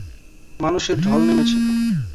মানুষের ঢল নেমেছে।